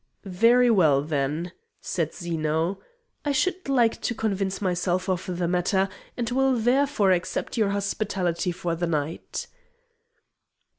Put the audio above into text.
"Very well, then," said Zeno; "I should like to convince myself of the matter, and will therefore accept your hospitality for the night."